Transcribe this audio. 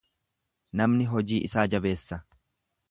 Namni hojii isaa jabeessa.